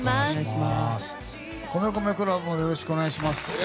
米米ＣＬＵＢもよろしくお願いします。